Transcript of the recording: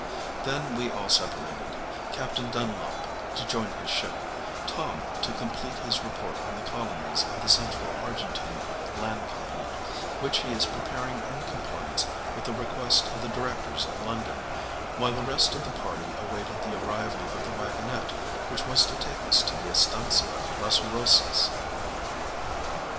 Then we all separated: Captain Dunlop to join his ship; Tom to complete his report on the colonies of the Central Argentine Land Company, which he is preparing in compliance with the request of the Directors in London; while the rest of the party awaited the arrival of the waggonette which was to take us to the estancia of Las Rosas.